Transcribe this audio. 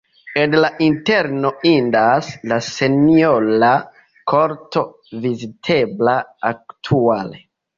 En la interno indas la senjora korto, vizitebla aktuale.